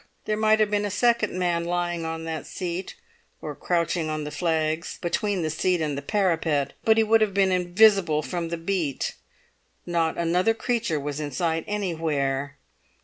There might have been a second man lying on that seat, or crouching on the flags between the seat and the parapet, but he would have been invisible from the beat. Not another creature was in sight anywhere.